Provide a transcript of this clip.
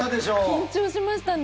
緊張しましたね。